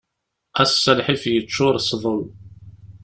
Ass-a lḥif yeččur sḍel.